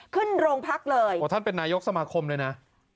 ขึ้นรงพรรคเลยท่านเป็นนายกสมาคมดินะ